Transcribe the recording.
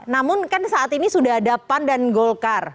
namun kan saat ini sudah ada pan dan golkar